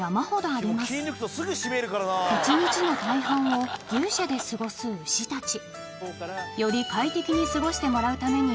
一日の大半を牛舎で過ごす牛たち